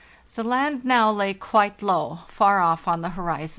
The land now lay quite low, far off on the horizon.